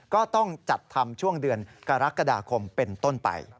ก็ต้องจัดทำช่วงเดือนกรกฎาคมเป็นต้นไป